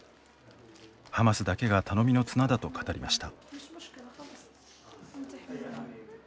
ハマスだけが頼みの綱だと語りました。